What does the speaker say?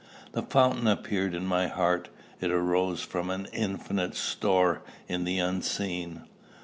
The fountain appeared in my heart: it arose from an infinite store in the unseen.